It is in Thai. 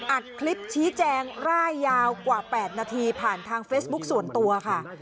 อัดคลิปชี้แจงร่ายยาวกว่า๘นาทีผ่านทางเฟซบุ๊คส่วนตัวค่ะ